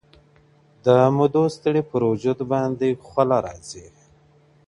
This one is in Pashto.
د مودو ستړي پر وجود بـانـدي خـولـه راځي.